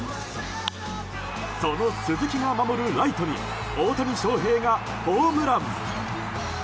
その鈴木が守るライトに大谷翔平がホームラン！